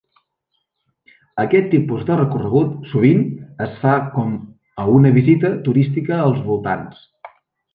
Aquest tipus de recorregut sovint es fa com a una visita turística als voltants.